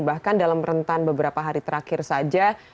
bahkan dalam rentan beberapa hari terakhir saja